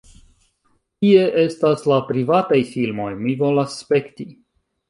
Kie estas la privataj filmoj? Mi volas spekti